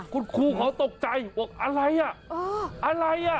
คุณครูเขาตกใจบอกอะไรอ่ะอะไรอ่ะ